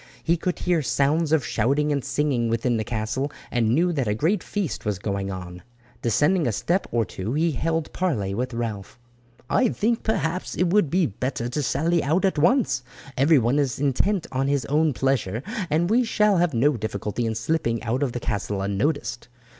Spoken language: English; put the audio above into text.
He could hear sounds of shouting and singing within the castle, and knew that a great feast was going on. Descending a step or two he held parley with Ralph. "I think, perhaps, it will be better to sally out at once. Everyone is intent on his own pleasure, and we shall have no difficulty in slipping out of the castle unnoticed.